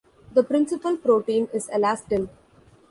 The principal protein is elastin.